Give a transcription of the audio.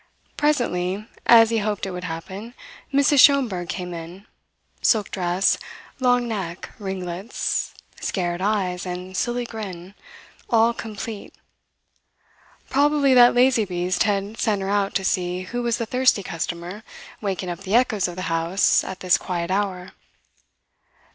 Presently, as he hoped it would happen, Mrs. Schomberg came in, silk dress, long neck, ringlets, scared eyes, and silly grin all complete. Probably that lazy beast had sent her out to see who was the thirsty customer waking up the echoes of the house at this quiet hour.